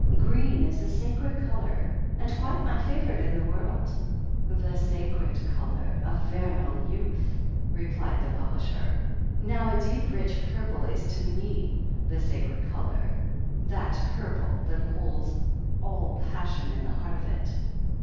"Green is a sacred colour — and quite my favourite in the world." "The sacred colour of vernal youth," replied the is ii. r 1 THE HEEL OF ACHILLES 219 publisher. "Now a deep rich purple is to me the sacred colour — ^that purple that holds all passion in the heart of it.